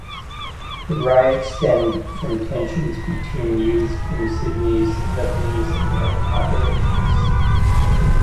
The riots stemmed from tensions between youths from Sydney's Lebanese and white populations.